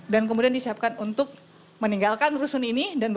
kemudian disiapkan untuk meninggalkan rusun ini